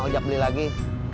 udah beli lagi